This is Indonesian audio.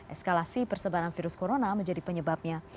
eskalasi persebaran virus corona menjadi penyebabnya